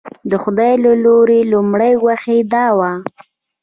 د خدای له لوري لومړنۍ وحي دا وه.